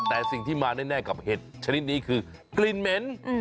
แต่สิ่งที่มาแน่กับเห็ดชนิดนี้คือกลิ่นเหม็น